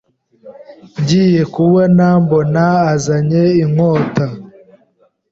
ngiye kubona mbona azanye inkota